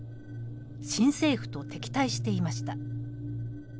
新政府と敵対していました。